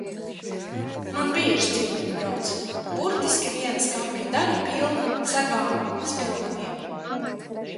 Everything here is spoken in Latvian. Man bieži ciemiņi brauc, burtiski viena skapja daļa pilna segām, spilveniem.